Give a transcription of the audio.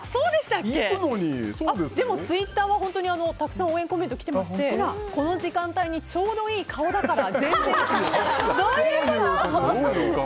でもツイッターはたくさん応援コメント来ていましてこの時間帯にちょうどいい顔だから全然、気にならん。